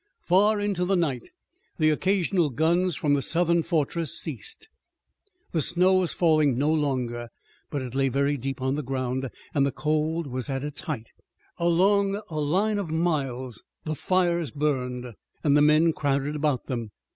Far in the night the occasional guns from the Southern fortress ceased. The snow was falling no longer, but it lay very deep on the ground, and the cold was at its height. Along a line of miles the fires burned and the men crowded about them.